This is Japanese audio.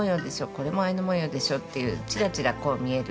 「これもアイヌ文様でしょ」っていうちらちらこう見える。